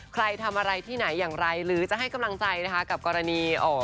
ใครทำอะไรที่ไหนอย่างไรหรือจะให้กำลังใจนะคะกับกรณีเอ่อ